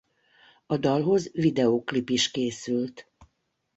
A dalhoz videóklip is készült.